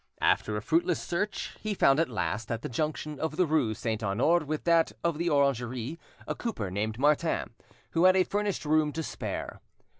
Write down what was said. After a fruitless search, he found at last, at the junction of the rue Saint Honore with that of the Orangerie, a cooper named Martin, who had a furnished room to spare.